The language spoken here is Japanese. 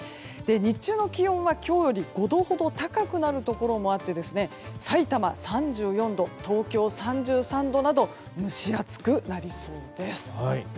日中の気温は今日より５度ほど高くなるところもあってさいたま３４度東京３３度など蒸し暑くなりそうです。